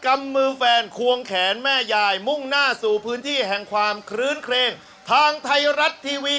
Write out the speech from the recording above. ำมือแฟนควงแขนแม่ยายมุ่งหน้าสู่พื้นที่แห่งความคลื้นเครงทางไทยรัฐทีวี